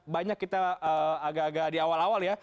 banyak kita agak agak di awal awal ya